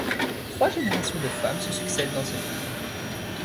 Trois générations de femmes se succèdent dans ce film.